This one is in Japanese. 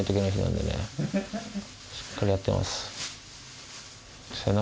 しっかりやってます。